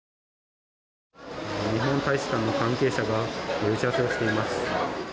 日本大使館の関係者が打ち合わせをしています。